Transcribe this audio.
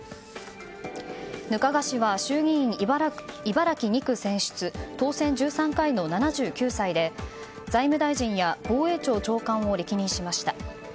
額賀氏は衆議院茨城２区選出当選１３回の７９歳で財務大臣や防衛庁長官を歴任しました。